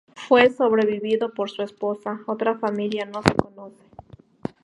Fue sobrevivido por su esposa; otra familia no se conoce.